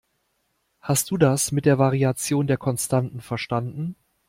Hast du das mit der Variation der Konstanten verstanden?